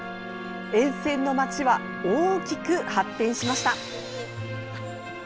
沿線の街は大きく発展しました。